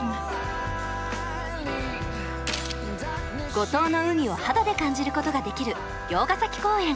五島の海を肌で感じることができる魚津ヶ崎公園。